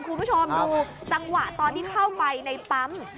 คุณผู้ชมดูจังหวะตอนที่เข้าไปในปั๊ม